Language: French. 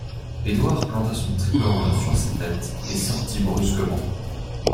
Édouard planta son tricorne sur sa tête et sortit brusquement.